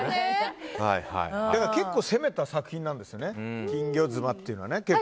結構攻めた作品なんですよね「金魚妻」というのは。